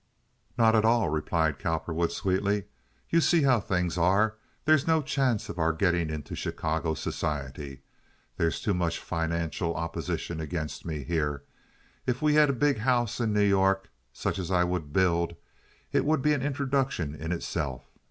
"Not at all," replied Cowperwood, sweetly. "You see how things are. There's no chance of our getting into Chicago society. There's too much financial opposition against me here. If we had a big house in New York, such as I would build, it would be an introduction in itself.